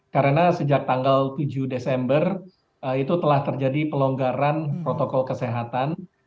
karena sejak tanggal tujuh desember itu telah terjadi pelonggaran protokol kesehatan